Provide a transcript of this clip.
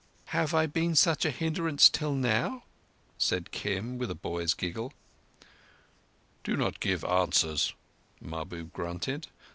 "Have I been such a hindrance till now?" said Kim, with a boy's giggle. "Do not give answers," Mahbub grunted.